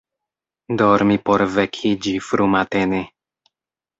Dormi por vekiĝi frumatene.